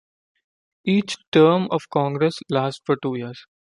Each "term" of Congress lasts for two years.